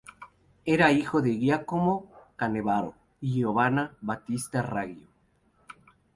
Era hijo de Giacomo Canevaro y Giovanna Battista Raggio.